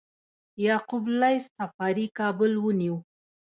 یعقوب لیث صفاري کابل ونیو